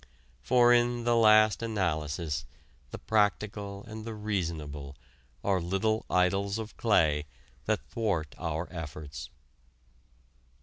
For in the last analysis the practical and the reasonable are little idols of clay that thwart our efforts.